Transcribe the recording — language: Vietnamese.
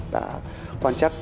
đã quan trọng